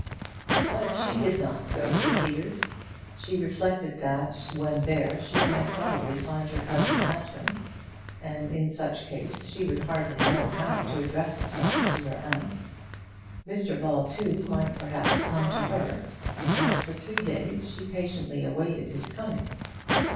But she did not go to the Cedars. She reflected that when there she might probably find her cousin absent, and in such case she would hardly know how to address herself to her aunt. Mr Ball, too, might perhaps come to her, and for three days she patiently awaited his coming.